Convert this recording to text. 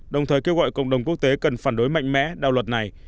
đồng thời kêu gọi cộng đồng quốc tế cần phản đối mạnh mẽ đạo luật này